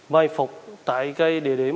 mai phục tại cái địa điểm